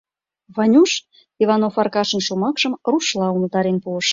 — Ванюш Иванов Аркашын шомакшым рушла умылтарен пуыш.